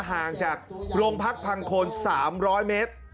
ห่างจากโรงพักพังโคน๓๐๐เมตร